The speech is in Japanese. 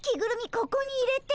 ここに入れて。